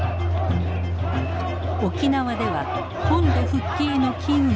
沖縄では本土復帰への機運が高まります。